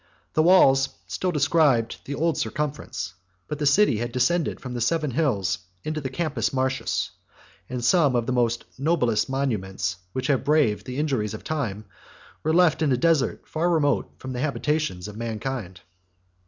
The walls still described the old circumference, but the city had descended from the seven hills into the Campus Martius; and some of the noblest monuments which had braved the injuries of time were left in a desert, far remote from the habitations of mankind.